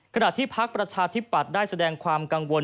ขณะที่พักประชาธิปัตย์ได้แสดงความกังวล